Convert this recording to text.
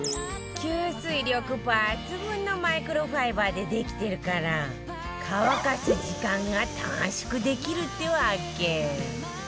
吸水力抜群のマイクロファイバーでできてるから乾かす時間が短縮できるってわけ